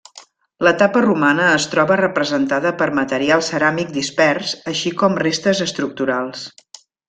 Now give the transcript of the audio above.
L'etapa romana es troba representada per material ceràmic dispers així com restes estructurals.